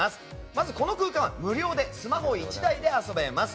まずこの空間は無料でスマホ１台で遊べます。